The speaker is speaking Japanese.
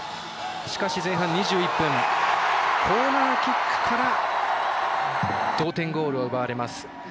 しかし、前半２１分コーナーキックから同点ゴールを奪われます。